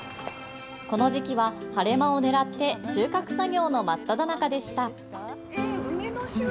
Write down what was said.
この時期は晴れ間をねらって収穫作業の真っただ中でした。